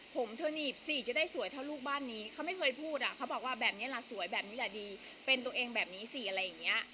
ผมเธอหนีบสิจะได้สวยเท่าลูกบ้านนี้เขาไม่เคยพูดอ่ะเขาบอกว่าแบบนี้ล่ะสวยแบบนี้แหละดีเป็นตัวเองแบบนี้สิอะไรอย่างนี้